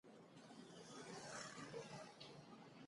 ایا ستاسو وخت ارزښت نلري؟